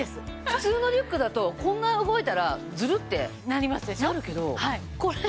普通のリュックだとこんな動いたらズルッてなるけどこれ。